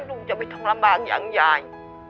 ลุงจะไม่ต้องลำบากอย่างยาย